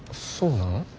そうなん？